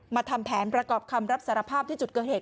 ทำแผนประกอบคำรับสารภาพที่จุดเกิดเหตุ